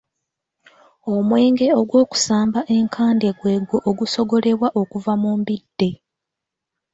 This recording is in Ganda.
Omwenge ogwokusamba enkande gwegwo ogusogolebwa okuva mu mbidde.